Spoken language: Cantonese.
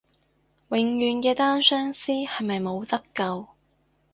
永遠嘅單相思係咪冇得救？